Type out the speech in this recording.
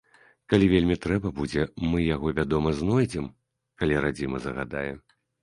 Калі вельмі трэба будзе, мы яго, вядома, знойдзем, калі радзіма загадае.